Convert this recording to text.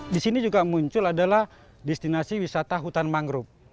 di sini juga muncul adalah destinasi wisata hutan mangrove